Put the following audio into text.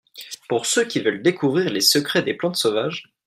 Pour ceux qui veulent découvrir les secrets des plantes sauvages